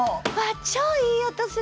超いい音する！